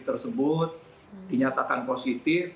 tersebut dinyatakan positif